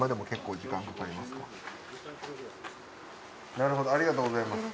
なるほどありがとうございます。